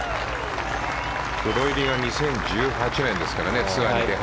プロ入りが２０１８年ですからね。